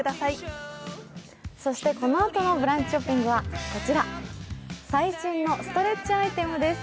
そして、このあとのブランチショッピングはこちら、最新のストレッチアイテムです。